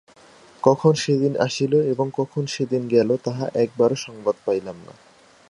কখন সেদিন আসিল এবং কখন সেদিন গেল তাহা একবার সংবাদও পাইলাম না।